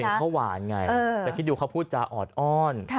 เขาหวานไงจะคิดดูเขาพูดจาออดอ้อน